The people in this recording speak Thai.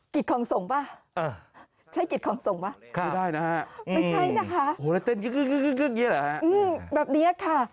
กิจของส่งป่ะใช่กิจของส่งป่ะไม่ได้นะฮะไม่ใช่นะฮะแบบนี้ค่ะ